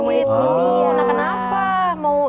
nah kenapa mau ikut nih